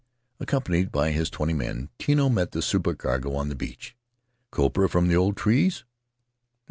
Accompanied by his twenty men, Tino met the supercargo on the beach. Copra from the old trees?